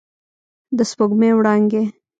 د سپوږمۍ وړانګې